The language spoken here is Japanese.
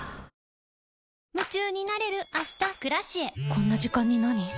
こんな時間になに？